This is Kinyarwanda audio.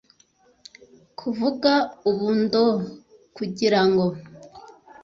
ukuvuga ubu ndo t kugira ngo